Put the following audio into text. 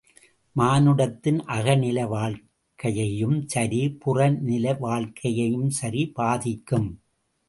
மானுடத்தின் அகநிலை வாழ்க்கையும் சரி, புறநிலை வாழ்க்கையும் சரி பாதிக்கும்.